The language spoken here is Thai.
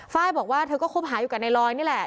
ไฟล์บอกว่าเธอก็คบหาอยู่กับนายลอยนี่แหละ